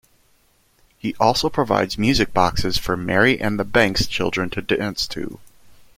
He also provides music boxes for Mary and the Banks children to dance to.